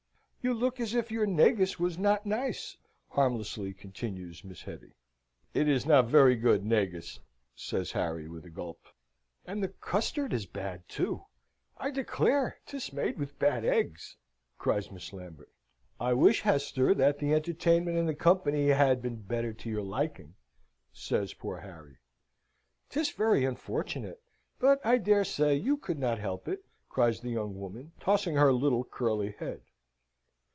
You look as if your negus was not nice," harmlessly continues Miss Hetty. "It is not very good negus," says Harry, with a gulp. "And the custard is bad too! I declare 'tis made with bad eggs!" cries Miss Lambert. "I wish, Hester, that the entertainment and the company had been better to your liking," says poor Harry. "'Tis very unfortunate; but I dare say you could not help it," cries the young woman, tossing her little curly head.